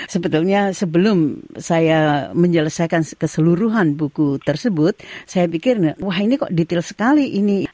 sebetulnya sebelum saya menyelesaikan keseluruhan buku tersebut saya pikir wah ini kok detail sekali ini